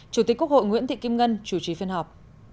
chủ tịch quốc hội nguyễn thị kim ngân chủ trì phiên họp